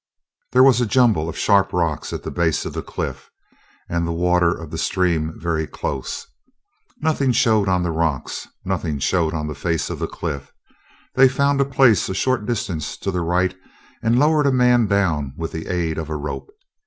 There was a jumble of sharp rocks at the base of the cliff, and the water of the stream very close. Nothing showed on the rocks, nothing showed on the face of the cliff. They found a place a short distance to the right and lowered a man down with the aid of a rope.